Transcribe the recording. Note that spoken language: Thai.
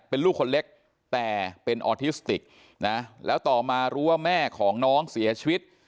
เป็นลูกคนเล็กแต่เป็นออทิสติกนะแล้วต่อมารู้ว่าแม่ของน้องเสียชีวิต